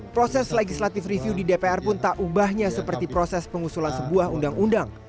proses legislative review di dpr pun tak ubahnya seperti proses pengusulan sebuah undang undang